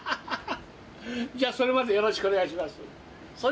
じゃあそれまでよろしくお願いします。